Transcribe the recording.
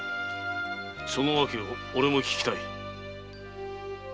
・その訳をオレも聞きたい。